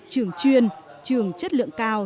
trường chuyên trường chất lượng cao